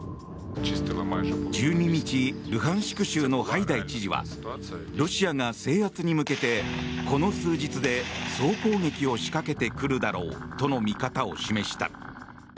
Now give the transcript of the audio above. １２日、ルハンシク州のハイダイ知事はロシアが制圧に向けてこの数日で総攻撃を仕掛けてくるだろうとの見方を示した。